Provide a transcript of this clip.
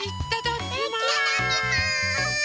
いただきます！